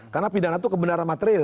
karena pidana itu kebenaran materi